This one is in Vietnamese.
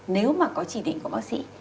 nếu mà có chỉ định của bác sĩ